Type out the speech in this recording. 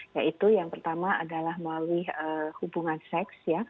yaitu yang pertama adalah melalui hubungan seks